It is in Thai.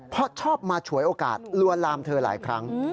เพราะชอบมาฉวยโอกาสลวนลามเธอหลายครั้ง